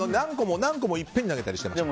何個もいっぺんに投げたりしてました。